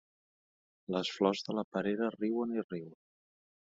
Les flors de la perera riuen i riuen.